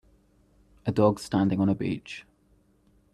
A dog standing on a beach.